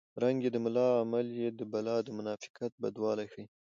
رنګ یې د ملا عمل یې د بلا د منافقت بدوالی ښيي